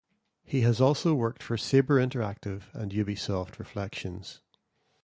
He has also worked for Saber Interactive and Ubisoft Reflections.